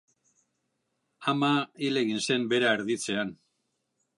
Ama hil zen bera erditzean.